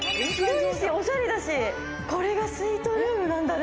おしゃれだし、これがスイートルームなんだね。